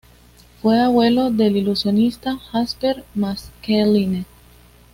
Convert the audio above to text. Fue abuelo del ilusionista Jasper Maskelyne.